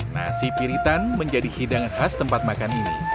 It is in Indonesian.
nasi piritan menjadi hidangan khas tempat makan ini